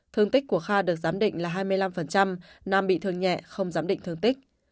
thương tích của kha được giám định là hai mươi năm nam bị thương nhẹ không giám định thương tích